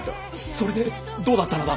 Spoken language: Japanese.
それでどうだったのだ。